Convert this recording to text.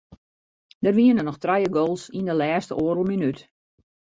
Der wiene noch trije goals yn de lêste oardel minút.